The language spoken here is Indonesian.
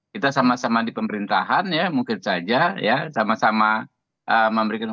kita sama sama di pemerintahan ya mungkin saja ya sama sama memberikan